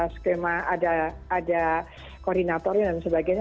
skema ada koordinator dan sebagainya